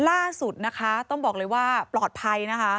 ล่าสุดนะคะต้องบอกเลยว่าปลอดภัยนะคะ